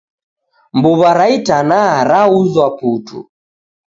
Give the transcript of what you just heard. Mbuwa ra itanaa rauzwa putu